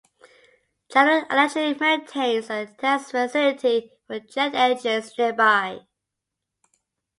General Electric maintains a test facility for jet engines nearby.